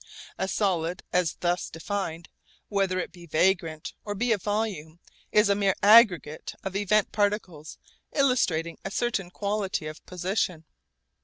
A solid as thus defined, whether it be vagrant or be a volume, is a mere aggregate of event particles illustrating a certain quality of position.